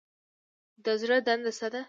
د زړه دنده څه ده؟